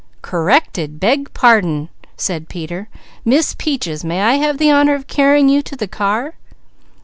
"Corrected! Beg pardon!" said Peter. "Miss Peaches, may I have the honour of carrying you to the car?"